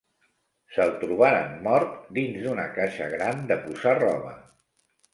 Se’l trobaren mort dins d'una caixa gran de posar roba.